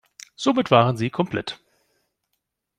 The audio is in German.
Somit waren sie komplett.